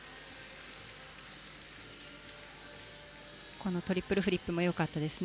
このトリプルフリップもよかったですね。